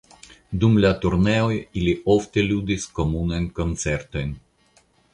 Dum la turneoj ili ofte ludis komunajn koncertojn.